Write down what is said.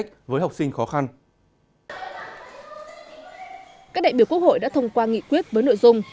các đại biểu quốc hội đã thông qua nghị quyết với nội dung